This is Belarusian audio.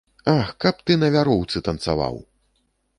Ах, каб ты на вяроўцы танцаваў.